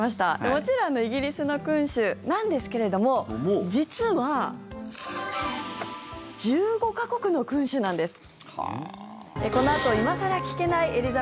もちろんイギリスの君主なんですけれども実は１５か国の君主なんです。